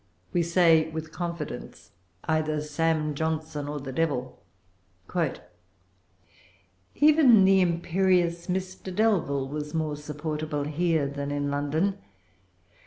We say, with confidence, either Sam Johnson or the Devil:— "Even the imperious Mr. Delvile was more supportable here than in London.